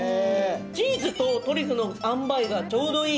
チーズとトリュフのあんばいがちょうどいい。